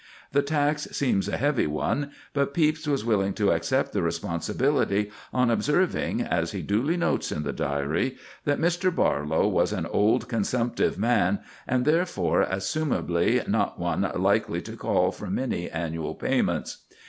The tax seems a heavy one, but Pepys was willing to accept the responsibility on observing, as he duly notes in the Diary, that Mr. Barlow was "an old consumptive man," and therefore, assumably, not one likely to call for many annual payments.